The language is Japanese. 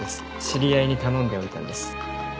知り合いに頼んでおいたんです。